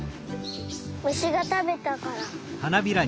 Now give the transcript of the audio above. むしがたべたから。